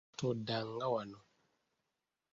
Toddanga wano.